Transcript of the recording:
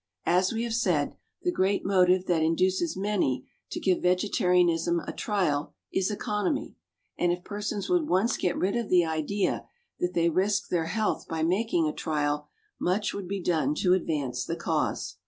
As we have said, the great motive that induces many to give vegetarianism a trial is economy; and if persons would once get rid of the idea that they risk their health by making a trial, much would be done to advance the cause.